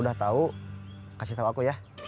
kau kasih tau aku ya